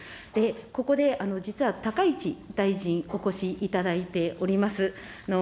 ここで実は高市大臣、お越しいただいております。